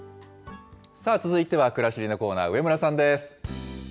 続いてはくらしりのコーナー、上村さんです。